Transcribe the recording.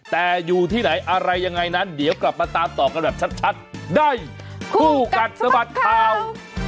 แต่อยู่ที่ไหนอะไรยังไงนั้นเดี๋ยวกลับมาตามต่อกันแบบชัดได้คู่กัดสะบัดข่าว